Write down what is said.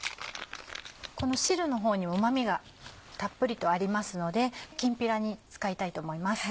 この汁の方にうま味がたっぷりとありますのできんぴらに使いたいと思います。